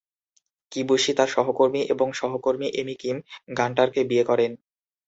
কিবুশি তার সহকর্মী এবং সহকর্মী এমি কিম গান্টারকে বিয়ে করেন।